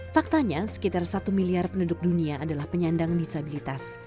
faktanya sekitar satu miliar penduduk dunia adalah penyandang disabilitas